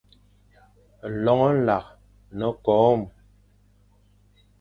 Loñ nlakh ne-koom.